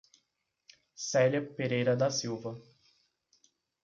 Celia Pereira da Silva